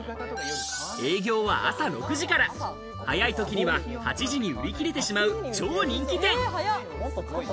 営業朝６時から早い時には８時に売り切れてしまう超人気店。